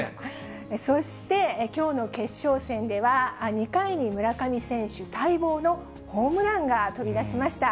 そして、きょうの決勝戦では、２回に村上選手、待望のホームランが飛び出しました。